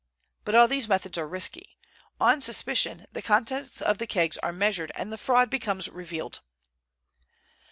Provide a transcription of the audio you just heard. But all these methods are risky. On the suspicion the contents of the kegs are measured and the fraud becomes revealed."